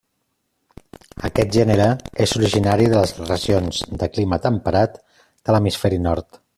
Aquest gènere és originari de les regions de clima temperat de l'hemisferi nord.